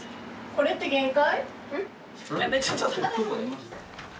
これって限界？